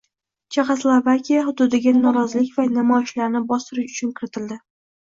Chexoslovakiya hududiga norozilik va namoyishlarni bostirish uchun kiritildi